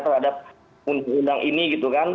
terhadap undang undang ini gitu kan